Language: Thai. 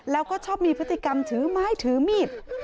แล้วก็ชอบมีพฤติกรรมถือไม้ถือมีด